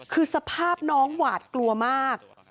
คือสภาพน้องหวาดกลัวมาก